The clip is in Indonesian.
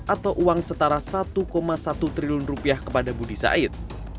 atau uang setara satu satu triliun rupiah kepada budi said